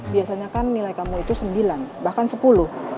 biasanya kan nilai kamu itu sembilan bahkan sepuluh